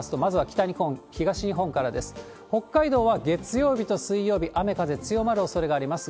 北海道は月曜日と水曜日、雨風強まるおそれがあります。